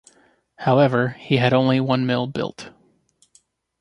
However, he had only one mill built.